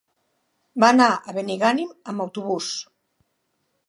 Va anar a Benigànim amb autobús.